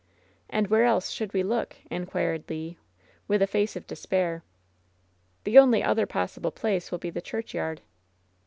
"And where else should we look ?" inquired Le, with! a face of despair. "The only other possible place will be the church yard."